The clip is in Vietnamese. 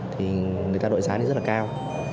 thì người ta đổi giá rất là cao